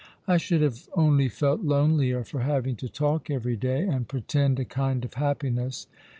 I should have only felt lonelier for having to talk every day, and pretend a kind of happiness.